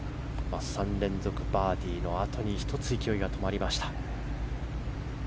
３連続バーディーのあとに１つ勢いが止まりました。